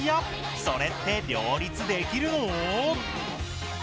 それって両立できるのー？